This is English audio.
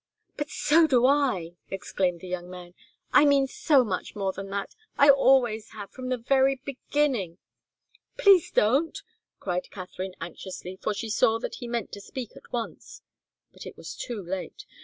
"But so do I!" exclaimed the young man. "I mean so much more than that I always have, from the very beginning " "Please don't!" cried Katharine, anxiously, for she saw that he meant to speak at once but it was too late.